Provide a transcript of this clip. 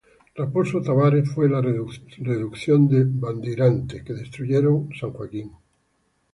Raposo Tavares fue la reducción de Bandeirante, que destruyeron San Joaquín.